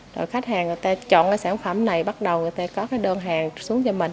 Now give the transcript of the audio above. rồi khách hàng người ta chọn cái sản phẩm này bắt đầu người ta có cái đơn hàng xuống cho mình